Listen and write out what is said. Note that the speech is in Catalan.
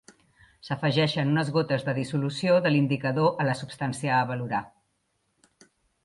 S'afegeixen unes gotes de dissolució de l'indicador a la substància a valorar.